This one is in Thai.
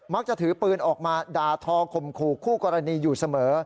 มักจะถือปืนออกมาดาทอคมคู่คู่กรณีอยู่เสมอ